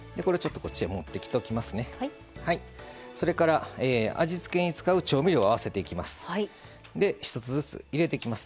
それから、味付けに使う調味料を合わせていきます。